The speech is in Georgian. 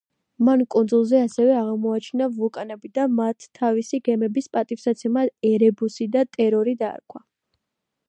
მან კუნძულზე ასევე აღმოაჩინა ვულკანები და მათ თავისი გემების პატივსაცემად ერებუსი და ტერორი დაარქვა.